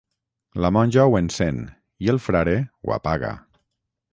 La monja ho encén, i el frare ho apaga.